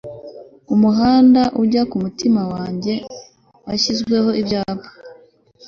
umuhanda ujya ku mutima wanjye washyizweho ibyapa